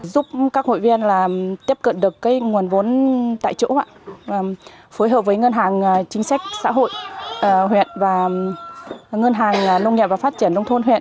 giúp các hội viên tiếp cận được nguồn vốn tại chỗ phối hợp với ngân hàng chính sách xã hội huyện và ngân hàng nông nghiệp và phát triển nông thôn huyện